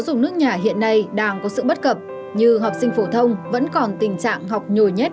dùng nước nhà hiện nay đang có sự bất cập như học sinh phổ thông vẫn còn tình trạng học nhồi nhét